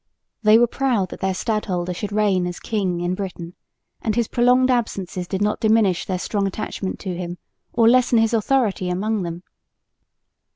They were proud that their stadholder should reign as king in Britain; and his prolonged absences did not diminish their strong attachment to him or lessen his authority among them.